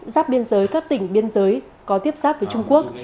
giáp biên giới các tỉnh biên giới có tiếp xác với trung quốc